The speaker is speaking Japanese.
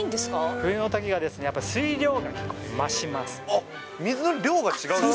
冬の滝は、やっぱり水量が増します。